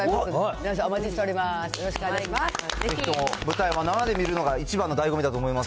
皆さん、お待ちしております。